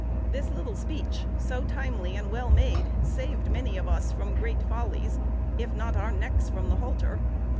This little speech, so timely and well made, saved many of us from great follies, if not our necks from the halter.